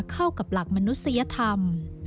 เข้ากับหลักมนุษยธรรม